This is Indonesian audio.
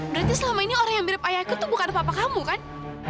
berarti selama ini orang yang mirip ayahku itu bukan papa kamu kan